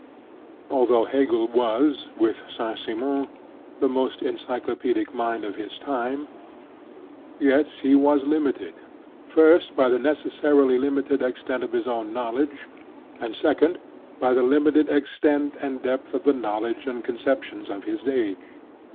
Although Hegel was with Saint Simon the most encyclopaedic mind of his time, yet he was limited, first, by the necessarily limited extent of his own knowledge, and, second, by the limited ex tent and depth of the knowledge and con ceptions of his age.